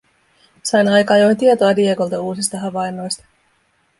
Sain aika ajoin tietoa Diegolta uusista havainnoista.